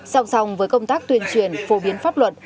sòng sòng với công tác tuyên truyền phổ biến pháp luật